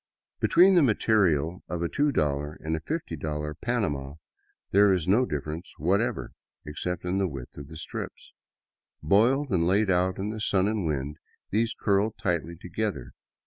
Between the material of a $2 and a $50 " panama " there is no difference whatever, except in the width of the strips. Boiled and laid out in the sun and wind, these curl tightly together.